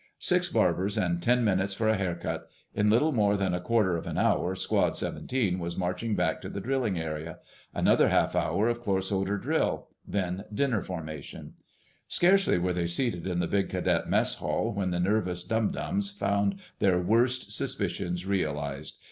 Six barbers and ten minutes for a haircut! In little more than a quarter of an hour, Squad 17 was marching back to the drilling area. Another half hour of close order drill—then dinner formation. Scarcely were they seated in the big cadet mess hall, when the nervous dum dums found their worst suspicions realized.